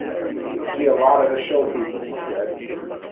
"You 'll see a lot o' the show people," he said.